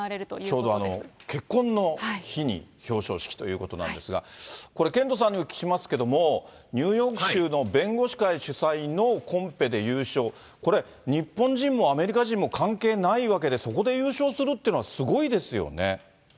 ちょうど結婚の日に表彰式ということなんですが、これ、ケントさんにお聞きしますけども、ニューヨーク州の弁護士会主催のコンペで優勝、これ、日本人もアメリカ人も関係ないわけで、そこで優勝するってのはすごいですよね。